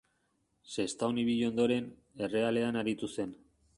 Sestaon ibili ondoren, Errealean aritu zen.